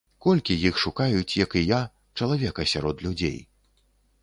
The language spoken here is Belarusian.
Колькі іх шукаюць, як і я, чалавека сярод людзей.